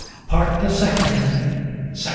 PART THE SECOND. I.